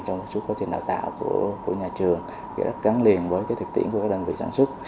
trong suốt quá trình đào tạo của nhà trường gắn liền với thực tiễn của các đơn vị sản xuất